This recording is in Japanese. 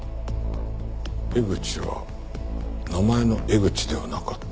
エグチは名前の江口ではなかった。